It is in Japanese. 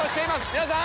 皆さん！